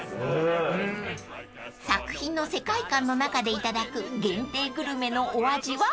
［作品の世界観の中でいただく限定グルメのお味は？］